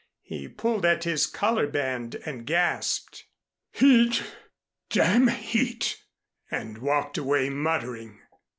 He pulled at his collar band and gasped. "Heat damn heat!" and walked away muttering.